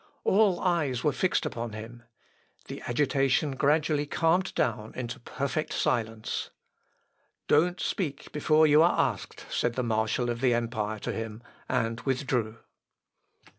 All eyes were fixed upon him. The agitation gradually calmed down into perfect silence. "Don't speak before you are asked," said the marshal of the empire to him and withdrew.